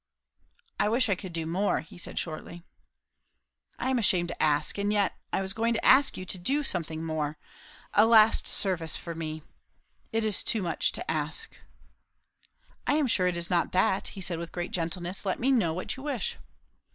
"I wish I could do more," said he shortly. "I am ashamed to ask, and yet, I was going to ask you to do something more a last service for me. It is too much to ask." "I am sure it is not that," he said with great gentleness. "Let me know what you wish."